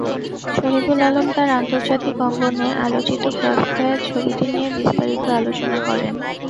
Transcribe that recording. শহীদুল আলম তাঁর আন্তর্জাতিক অঙ্গনে আলোচিত ক্রসফায়ার ছবিটি নিয়ে বিস্তারিত আলোচনা করেন।